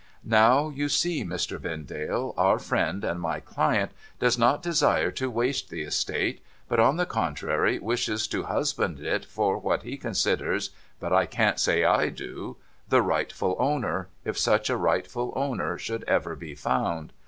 Now, you see, Mr. Vendale, our friend (and my client) does not desire to waste the estate, but, on the contrary, desires to husband it for what he considers — but I can't say I do — the rightful owner, if such rightful owner should ever be found.